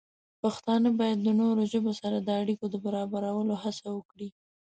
پښتانه باید د نورو ژبو سره د اړیکو د برابرولو هڅه وکړي.